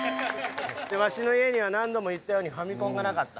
わしの家には何度も言ったようにファミコンがなかった。